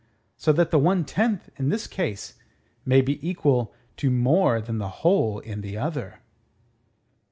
So that the one tenth in this case may be equal to more than the whole in the other."